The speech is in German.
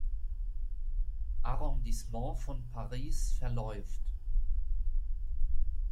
Arrondissement von Paris verläuft.